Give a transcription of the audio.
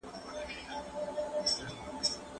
صوفياوو ويلي دي: استقامت تر زرو کرامتونو غوره دی.